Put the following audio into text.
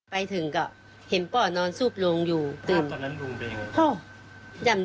ภรรยาของผู้ตายบอกว่า